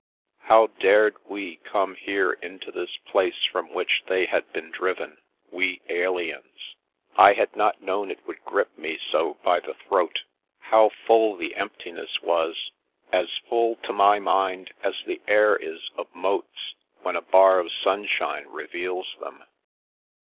How dared we come here into this place from which they had been driven, we aliens? I had not known it would grip me so by the throat. How full The World without the Boy 341 the emptiness was! — ^as full to my mind as the air is of motes when a bar of sunshine reveals them.